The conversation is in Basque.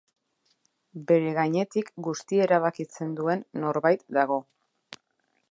Bere gainetik guztia erabakitzen duen norbait dago.